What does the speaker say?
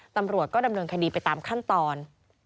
ตำรวจก็ดำเนินคดีไปตามขั้นตอน